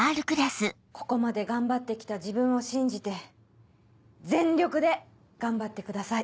ここまで頑張って来た自分を信じて全力で頑張ってください。